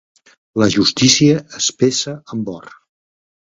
La justícia es pesa amb or.